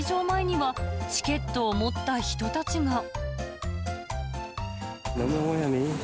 前には、チケットを持った人たちが。